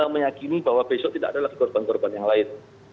meyakini bahwa besok tidak ada lagi korban korban yang lain